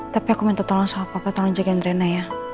tapi aku minta tolong soal papa tolong jagain reina ya